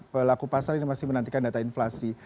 pelaku pasar ini masih menantikan data inflasi